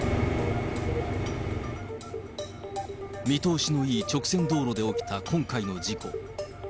見通しのいい直線道路で起きた、今回の事故。